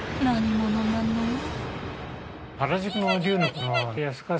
何者なの？］